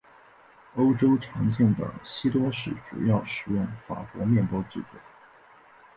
欧洲常见的西多士主要使用法国面包制作。